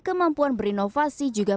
kemampuan berinovasi juga